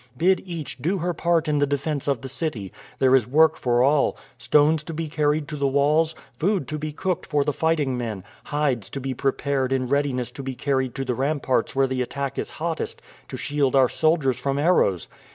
Bid each do her part in the defense of the city; there is work for all stones to be carried to the walls, food to be cooked for the fighting men, hides to be prepared in readiness to be carried to the ramparts where the attack is hottest, to shield our soldiers from arrows.